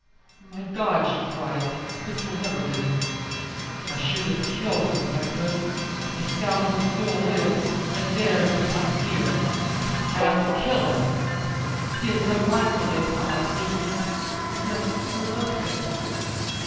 "My God," she cried, "this will never do. I should have killed him, if I could. The scoundrel still lives, and dares to come here. I ought to kill him. He has no right to live. How I hate him. And yet I loved him.